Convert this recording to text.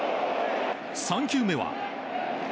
３球目は。